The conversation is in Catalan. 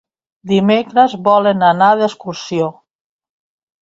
Dimecres volen anar d'excursió.